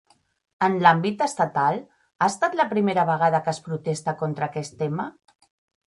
En l'àmbit estatal, ha estat la primera vegada que es protesta contra aquest tema?